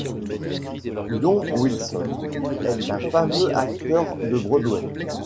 Don Wilson est un fameux acteur de Broadway.